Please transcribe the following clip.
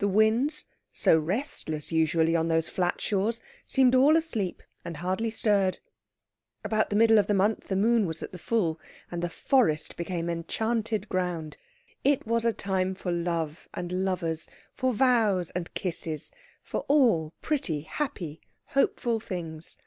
The winds, so restless usually on those flat shores, seemed all asleep, and hardly stirred. About the middle of the month the moon was at the full, and the forest became enchanted ground. It was a time for love and lovers, for vows and kisses, for all pretty, happy, hopeful things.